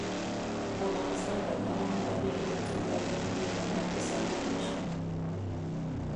افغانستان تر هغو نه ابادیږي، ترڅو تازه میوې بهر ته صادرې نشي.